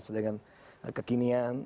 sesuai dengan kekinian